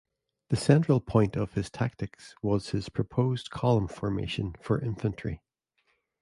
The central point of his tactics was his proposed column formation for infantry.